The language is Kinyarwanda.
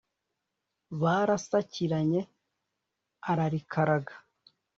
“barasakiranye, ararikaraga.